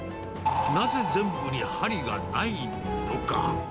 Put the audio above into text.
なぜ全部に針がないのか。